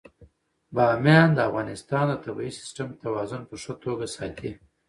بامیان د افغانستان د طبعي سیسټم توازن په ښه توګه ساتي.